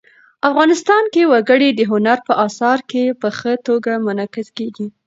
افغانستان کې وګړي د هنر په اثار کې په ښه توګه منعکس کېږي.